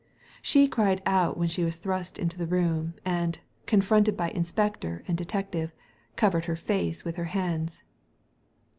She cried out when she was thrust into the room, and, confronted by inspector and detective, covefed her face with her hands.